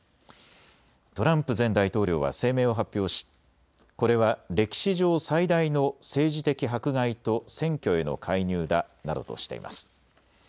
トランプ前大統領は声明を発表しこれは歴史上最大の政治的迫害と選挙への介入だなどとしています。